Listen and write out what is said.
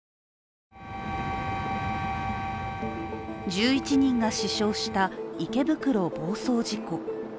１１人が死傷した池袋暴走事故。